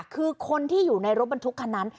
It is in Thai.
คนที่อยู่ในรถประตูขันนั้น